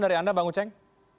dari anda bang uceng